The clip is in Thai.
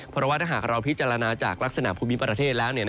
เพราะว่าถ้าหากเราพิจารณาจากลักษณะภูมิประเทศแล้ว